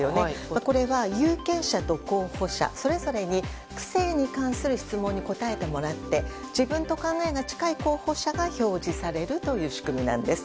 これは、有権者と候補者それぞれに区政に関する質問に答えてもらって自分と考えが近い候補者が表示されるという仕組みなんです。